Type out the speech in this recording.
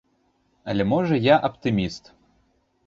Але, можа, я аптыміст.